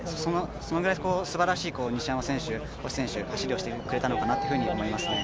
それぐらいすばらしい西山選手、星選手走りをしてくれたのかなと思いますね。